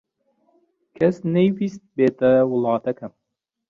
کەس نەیویست بێتە وڵاتەکەم.